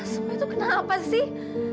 sumpah itu kenapa sih